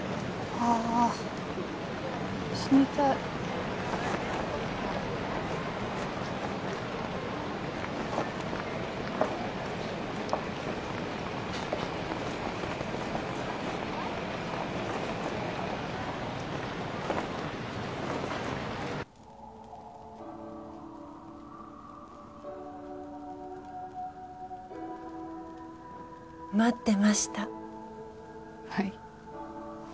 ああ死にたい待ってましたはい？